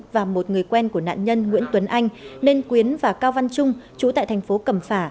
và một người quen của nạn nhân nguyễn tuấn anh nên quyến và cao văn trung trú tại tp cầm phả